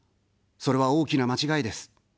それは大きな間違いです。